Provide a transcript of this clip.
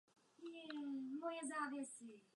Britského impéria.